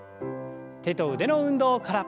手と腕の運動から。